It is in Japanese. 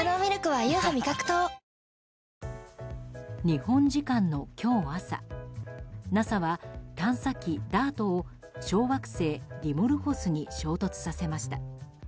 日本時間の今日朝、ＮＡＳＡは探査機「ＤＡＲＴ」を小惑星ディモルフォスに衝突させました。